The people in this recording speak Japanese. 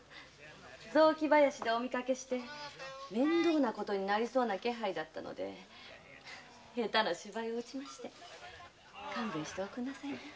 雑木林でお見かけし面倒な事になりそうな気配だったので下手な芝居を打ちまして勘弁しておくんなさいな。